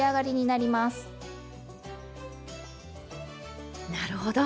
なるほど。